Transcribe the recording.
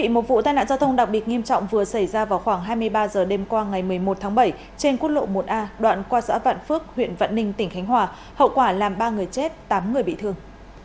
một vụ tai nạn giao thông đặc biệt nghiêm trọng vừa xảy ra vào khoảng hai mươi ba h đêm qua ngày một mươi một tháng bảy trên quốc lộ một a đoạn qua xã vạn phước huyện vạn ninh tỉnh khánh hòa hậu quả làm ba người chết tám người bị thương